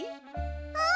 うん。